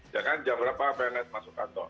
ya kan jam berapa pns masuk kantor